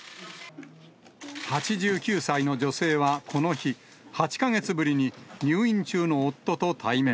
８９歳の女性はこの日、８か月ぶりに、入院中の夫と対面。